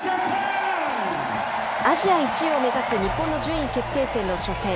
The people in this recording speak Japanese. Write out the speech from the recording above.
アジア１位を目指す日本の順位決定戦の初戦。